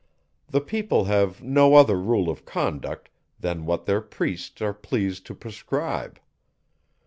The people have no other rule of conduct, than what their priests are pleased to prescribe.